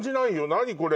何これ！